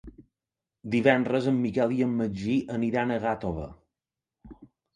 Divendres en Miquel i en Magí aniran a Gàtova.